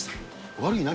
悪い何？